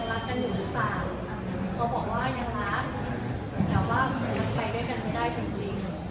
ก็คือบอกว่าไปด้วยกันไม่ได้